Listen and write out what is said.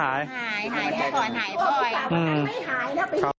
หายหายก่อนหายพ่อย